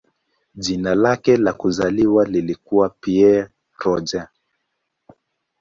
Jina lake la kuzaliwa lilikuwa "Pierre Roger".